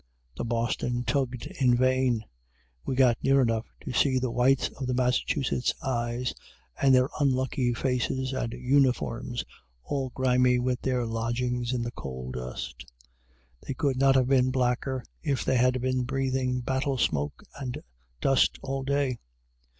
The "Boston" tugged in vain. We got near enough to see the whites of the Massachusetts eyes, and their unlucky faces and uniforms all grimy with their lodgings in the coal dust. They could not have been blacker, if they had been breathing battle smoke and dust all day.